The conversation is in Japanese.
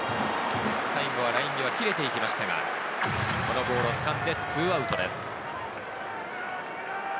最後はライン際、切れていきましたが、このボールをつかんで２アウトです。